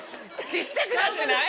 ⁉小っちゃくなってない⁉